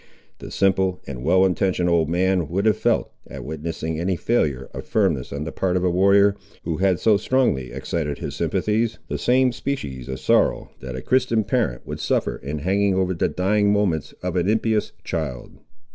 The simple and well intentioned old man would have felt, at witnessing any failure of firmness on the part of a warrior, who had so strongly excited his sympathies, the same species of sorrow that a Christian parent would suffer in hanging over the dying moments of an impious child.